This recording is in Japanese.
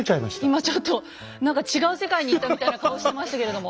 今ちょっと何か違う世界に行ったみたいな顔してましたけれども。